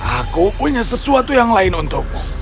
aku punya sesuatu yang lain untukmu